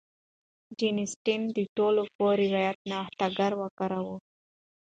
جین اسټن د ټولپوه روایت نوښتګر وکاراوه.